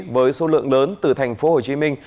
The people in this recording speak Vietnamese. với số lượng lớn từ thành phố hồ chí minh